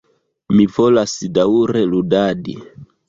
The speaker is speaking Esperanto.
Mi volas daŭre ludadi.